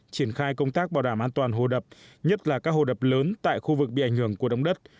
triển khai công tác bảo đảm an toàn hồ đập nhất là các hồ đập lớn tại khu vực bị ảnh hưởng của động đất